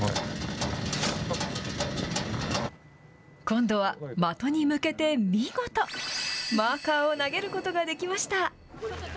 今度は的に向けて見事、マーカーを投げることができました。